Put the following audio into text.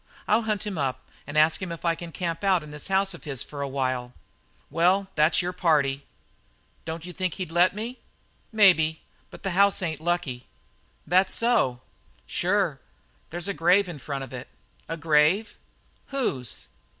"I'll hunt him up and ask him if I can camp out in this house of his for a while." "Well, that's your party." "Don't you think he'd let me?" "Maybe; but the house ain't lucky." "That so?" "Sure. There's a grave in front of it." "A grave? Whose?"